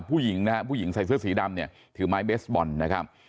ผู้หญิงนะฮะผู้หญิงใส่เสื้อสีดำเนี่ยถือไม้เบสบอลนะครับ